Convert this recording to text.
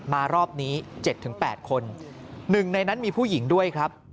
รอบนี้๗๘คนหนึ่งในนั้นมีผู้หญิงด้วยครับ